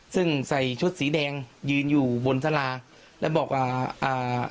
ซึ่งใส่ชุดสีแดงยืนอยู่บนสาราแล้วบอกว่าอ่า